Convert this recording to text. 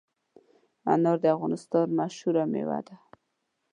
انار د افغانستان مشهور مېوه ده.